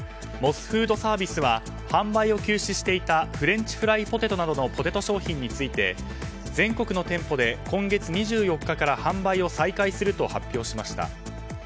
モスフードサービスは販売を休止していたフレンチフライポテトなどのポテト商品について全国の店舗で今月２４日から販売を再開すると発表しました。